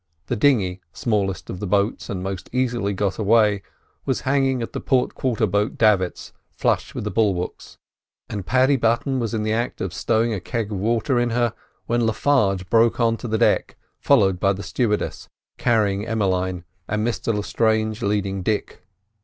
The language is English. The dinghy, smallest of the boats and most easily got away, was hanging at the port quarter boat davits flush with the bulwarks; and Paddy Button was in the act of stowing a keg of water in her, when Le Farge broke on to the deck, followed by the stewardess carrying Emmeline, and Mr Lestrange leading Dick.